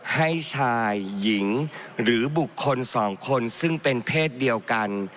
ให้ชายหญิงหรือบุคคลสองคนซึ่งเป็นเพศเดียวกัน